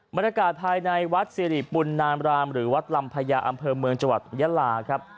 บรรยากาศภายในวัดสิริปุณนามรามหรือวัดลำพญาอำเภอเมืองจังหวัดยาลาครับ